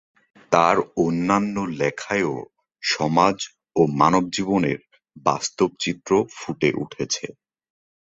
তাঁর অন্যান্য লেখায়ও সমাজ ও মানবজীবনের বাস্তব চিত্র ফুটে উঠেছে।